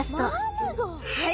はい。